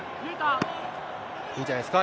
いいんじゃないですか。